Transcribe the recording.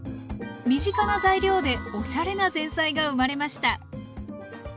身近な材料でおしゃれな前菜が生まれました。